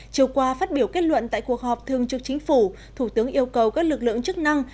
chiều qua phát biểu kết luận tại cuộc họp thường trực chính phủ thủ tướng yêu cầu các lực lượng chức năng